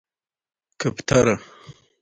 🕊 کفتره